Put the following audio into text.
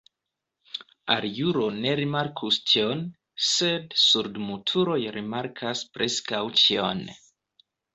Aliulo ne rimarkus tion, sed surdmutuloj rimarkas preskaŭ ĉion.